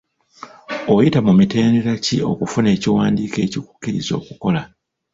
Oyita mu mitendera ki okufuna ekiwandiiko ekikukkiriza okukola?